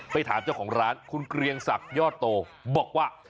ไปถามเจ้าของร้านคุณเกรียงศักดิ์ยอดโตบอกว่า